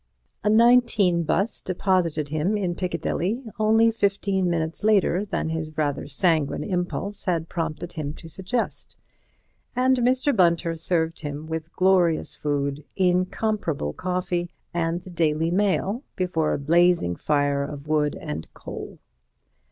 A 19 'bus deposited him in Piccadilly only fifteen minutes later than his rather sanguine impulse had prompted him to suggest, and Mr. Bunter served him with glorious food, incomparable coffee, and the Daily Mail before a blazing fire of wood and coal.